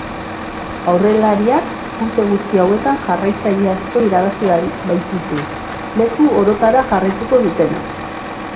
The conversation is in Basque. Aurrelariak urte guzti hauetan jarraitzaile asko irabazi baititu, leku orotara jarraitu dutenak.